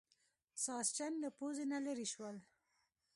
ساسچن له پوزې نه لرې شول.